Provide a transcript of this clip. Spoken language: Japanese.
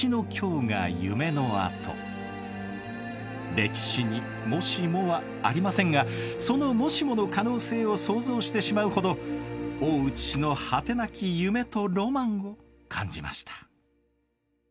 歴史に「もしも」はありませんがその「もしも」の可能性を想像してしまうほど大内氏の果てなき夢とロマンを感じました。